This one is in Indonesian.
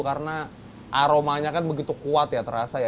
karena aromanya kan begitu kuat ya terasa